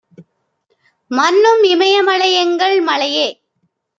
மன்னும் இமயமலை யெங்கள் மலையே